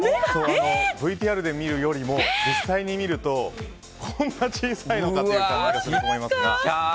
ＶＴＲで見るよりも実際に見るとこんな小さいのかという感じがすると思いますが。